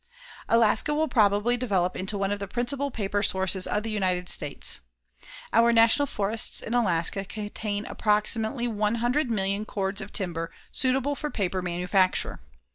Alaska will probably develop into one of the principal paper sources of the United States. Our National Forests in Alaska contain approximately 100,000,000 cords of timber suitable for paper manufacture.